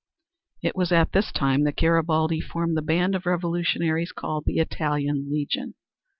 It was at this time that Garibaldi formed the band of revolutionaries called the Italian Legion.